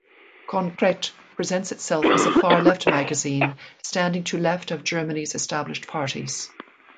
"Konkret" presents itself as a far-left magazine, standing to left of Germany's established parties.